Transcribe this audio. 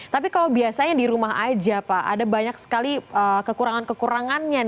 tapi kalau biasanya di rumah aja pak ada banyak sekali kekurangan kekurangannya